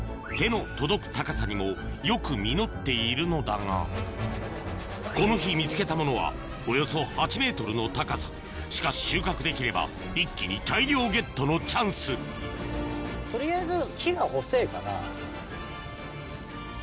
手の届く高さにもよく実っているのだがこの日見つけたものはおよそしかし収穫できれば一気に大量ゲットのチャンスねっ。